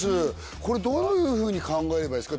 これどういうふうに考えればいいですか？